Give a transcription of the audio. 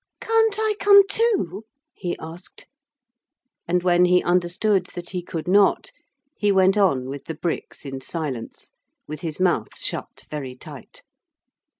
'Can't I come too?' he asked. And when he understood that he could not he went on with the bricks in silence, with his mouth shut very tight.